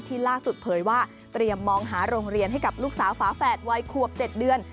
ล่าสุดเผยว่าเตรียมมองหาโรงเรียนให้กับลูกสาวฝาแฝดวัยขวบ๗เดือน